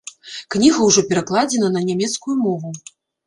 Кніга ўжо перакладзена на нямецкую мову.